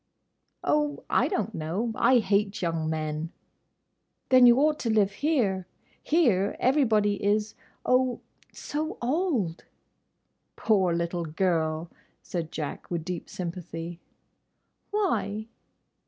"Oh, I don't know. I hate young men." "Then you ought to live here. Here—everybody is—oh!—so old!" "Poor little girl," said Jack, with deep sympathy. "Why?"